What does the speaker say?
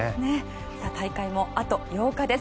大会もあと８日です。